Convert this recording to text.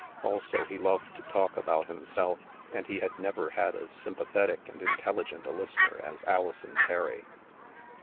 Also, he loved to talk about himself, and he had never had as sympathetic and intelligent a listener as Alison Terry.